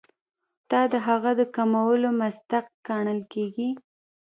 دا د هغه د کمولو مصداق ګڼل کیږي.